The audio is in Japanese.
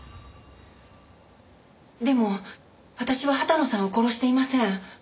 でも私は畑野さんを殺していません。